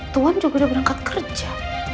tuhan juga udah berangkat kerja